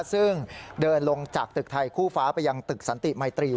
ซึ่งเดินลงจากตึกไทยคู่ฟ้าไปยังตึกสันติมัยตรี